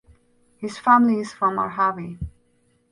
His family is from Arhavi.